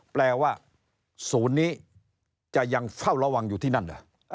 แปลว่าศูนย์นี้จะยังเฝ้าระวังอยู่ที่นั่น